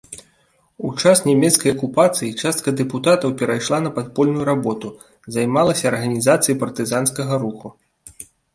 У час нямецкай акупацыі частка дэпутатаў перайшла на падпольную работу, займалася арганізацыяй партызанскага руху.